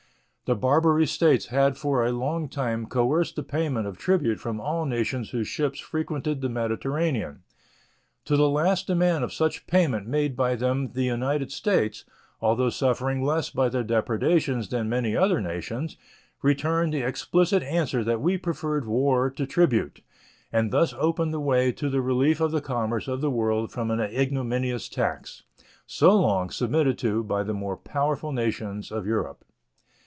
The Barbary States had for a long time coerced the payment of tribute from all nations whose ships frequented the Mediterranean. To the last demand of such payment made by them the United States, although suffering less by their depredations than many other nations, returned the explicit answer that we preferred war to tribute, and thus opened the way to the relief of the commerce of the world from an ignominious tax, so long submitted to by the more powerful nations of Europe.